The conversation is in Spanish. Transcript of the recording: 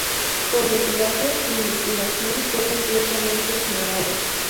Por desgracia, su investigación fue completamente ignorada.